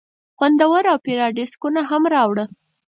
خوندور اوپيراډیسکونه هم راوړه.